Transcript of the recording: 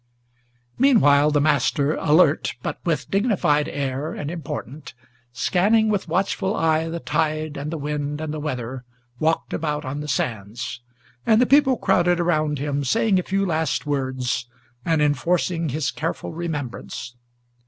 Meanwhile the Master alert, but with dignified air and important, Scanning with watchful eye the tide and the wind and the weather, Walked about on the sands; and the people crowded around him Saying a few last words, and enforcing his careful remembrance.